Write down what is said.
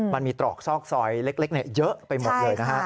มันมีตรอกซอกซอยเล็กเยอะไปหมดเลยนะฮะ